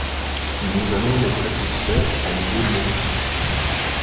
Nous allons les satisfaire en deux mots.